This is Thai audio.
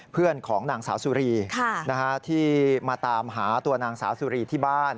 เพื่อนของนางสาวสุรีที่มาตามหาตัวนางสาวสุรีที่บ้าน